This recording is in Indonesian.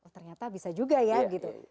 oh ternyata bisa juga ya gitu